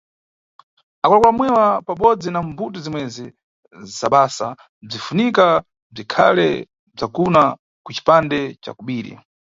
Akulu-akulu amwewa pabodzi na mbuto zimwezi za basa bzinʼfunika bzikhale bzdakwana ku cipande ca kobiri.